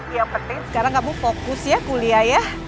yang penting sekarang kamu fokus ya kuliah ya